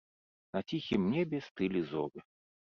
На ціхім небе стылі зоры.